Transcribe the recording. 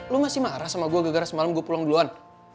lu masih marah sama gua gara gara semalam gua pulang duluan